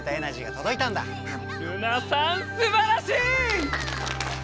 ルナさんすばらしい！